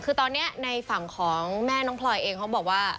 คือตอนนี้ในฝั่งของแม่น้องพลอยเองเขาบอกว่า